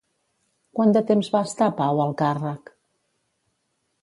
Quant de temps va estar Pau al càrrec?